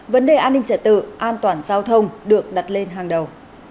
vấn đề an ninh trả tự an toàn giao thông được đặt lên hàng đầu